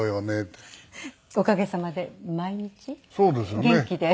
おかげさまで毎日元気で。